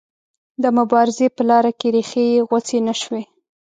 د مبارزې په لاره کې ریښې یې غوڅې نه شوې.